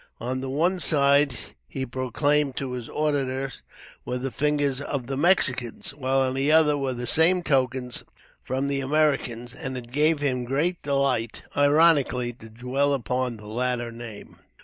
On the one side, he proclaimed to his auditors, were the fingers of the Mexicans, while on the other, were the same tokens from the Americans; and it gave him great delight, ironically, to dwell upon the latter name.